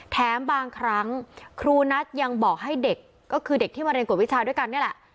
แถมบางครั้งครูนัทยังบอกให้เด็กก็คือเด็กที่มาเรียนกฎวิชาด้วยกันนี่แหละ